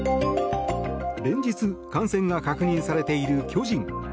連日、感染が確認されている巨人。